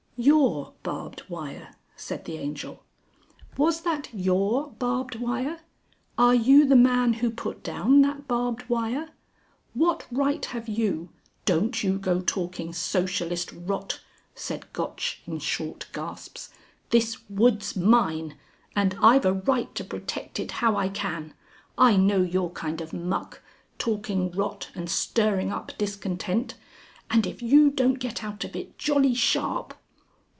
"Your barbed wire," said the Angel. "Was that your barbed wire? Are you the man who put down that barbed wire? What right have you...." "Don't you go talking Socialist rot," said Gotch in short gasps. "This wood's mine, and I've a right to protect it how I can. I know your kind of muck. Talking rot and stirring up discontent. And if you don't get out of it jolly sharp...."